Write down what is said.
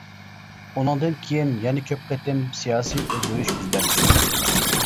ئۇنىڭدىن كېيىن يەنە كۆپ قېتىم سىياسىي ئۆزگىرىش يۈز بەرگەن.